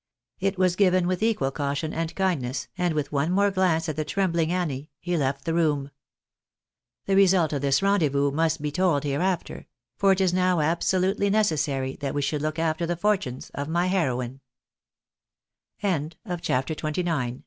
It was given with equal caution and kindness, and with one more glance at the tremblmg Annie, he left the room. The result of this rendezvous must be told hereafter ; for it is now absolute^ nece.<ssary that we should look after the fortunes